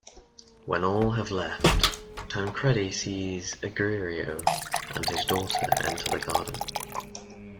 When all have left, Tancredi sees Argirio and his daughter enter the garden.